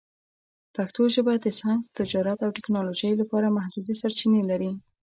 پښتو ژبه د ساینس، تجارت، او ټکنالوژۍ لپاره محدودې سرچینې لري.